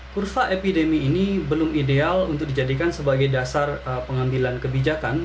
kurva epidemi ini belum ideal untuk dijadikan sebagai dasar pengambilan kebijakan